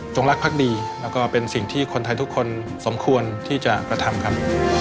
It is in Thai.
ชุดย่าวที่เราตั้งชื่อให้เนี่ยก็คือชัยานุภาพก็เป็นชื่อของเรานะครับ